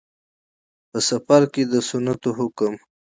په. سفر کې د سنتو حکم